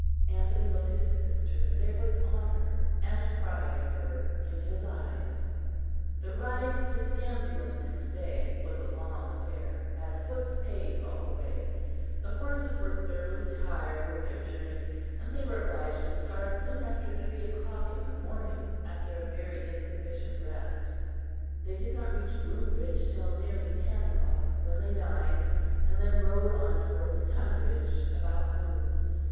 Anthony looked at his sister, and there was honour and pride of her in his eyes. The ride to Stanfield next day was a long affair, at a foot's pace all the way: the horses were thoroughly tired with their journey, and they were obliged to start soon after three o'clock in the morning after a very insufficient rest; they did not reach Groombridge till nearly ten o'clock, when they dined, and then rode on towards Tonbridge about noon.